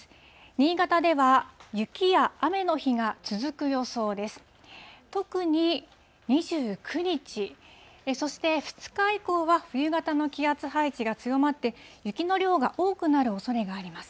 新潟では雪や雨の日が続く予想です。